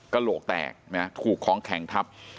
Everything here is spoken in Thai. โหลกแตกถูกของแข็งทับ